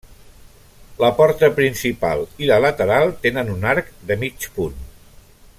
La porta principal i la lateral tenen un arc de mig punt.